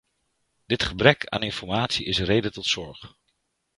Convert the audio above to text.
Dit gebrek aan informatie is reden tot zorg.